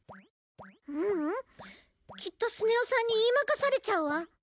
ううん。きっとスネ夫さんに言い負かされちゃうわ。